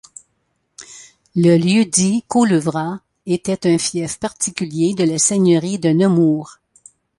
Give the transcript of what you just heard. Le lieu-dit Coleuvrat était un fief particulier de la seigneurie de Nemours.